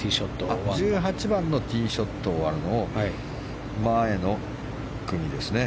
１８番のティーショットが終わるのをですか。